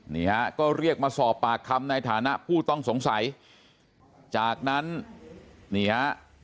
นี่ฮะก็เรียกมาสอบปากคำในฐานะผู้ต้องสงสัยจากนั้นนี่ฮะ